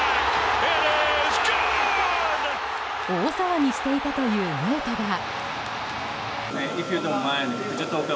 大騒ぎしていたというヌートバー。